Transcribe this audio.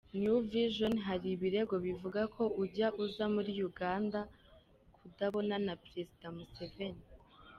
New Vision:Hari ibirego bivuga ko ujya uza muri Uganda kubonana na Perezida Museveni